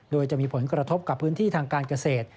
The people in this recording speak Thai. โดยจะมีผลกระทบกับพื้นที่ทางการเกษตร